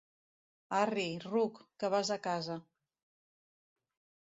Arri, ruc, que vas a casa.